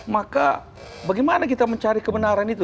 maka bagaimana kita mencari kebenaran itu